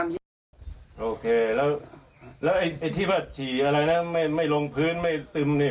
ไม่ใช่ว่าฝันถูกคือฝัน